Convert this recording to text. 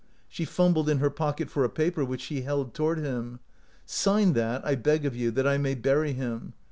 She fumbled in her pocket for a paper, which she held toward him. " Sign that, I beg of you, that I may bury him.